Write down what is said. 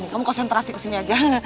kamu konsentrasi kesini aja